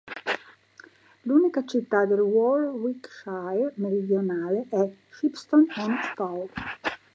L'unica città del Warwickshire meridionale è Shipston-on-Stour.